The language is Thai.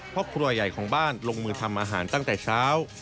พ่อครัวใหญ่ของบ้านลงมือทำอาหารตั้งแต่เช้า